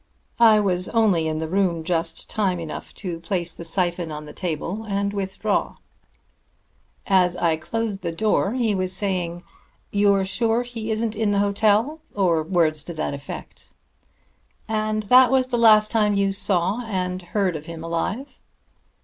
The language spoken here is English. I was only in the room just time enough to place the syphon on the table and withdraw. As I closed the door he was saying: 'You're sure he isn't in the hotel?' or words to that effect." "And that was the last you saw and heard of him alive?"